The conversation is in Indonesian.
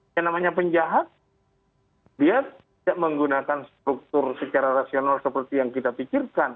yang namanya penjahat dia tidak menggunakan struktur secara rasional seperti yang kita pikirkan